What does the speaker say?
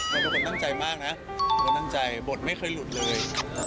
เป็นคนตั้งใจมากนะเราตั้งใจบทไม่เคยหลุดเลย